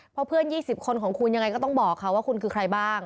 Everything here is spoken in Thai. เพราะเพื่อน๒๐คนของคุณยังไงก็ต้องบอกค่ะว่าคุณคือใครบ้าง